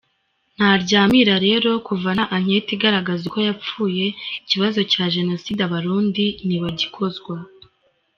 Ntaryamira rero kuva nta anketi igaragaza uko yapfuye ikibazo cya genocide abarundi ntibagikozwa.